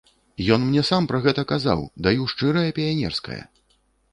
Ён мне сам пра гэта казаў, даю шчырае піянерскае.